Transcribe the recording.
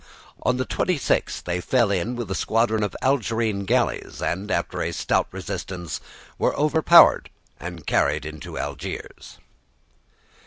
On the 26th they fell in with a squadron of Algerine galleys, and after a stout resistance were overpowered and carried into Algiers.